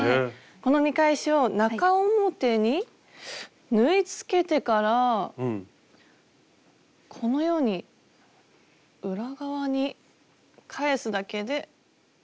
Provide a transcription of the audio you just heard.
この見返しを中表に縫いつけてからこのように裏側に返すだけで。